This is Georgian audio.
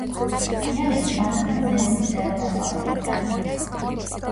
მთიანეთი თანდათან ზემოთ იწევა დასავლეთიდან.